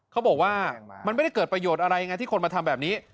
เขาบอกว่ามันไม่ได้เกิดประโยชน์อะไรไงที่คนมาทำแบบนี้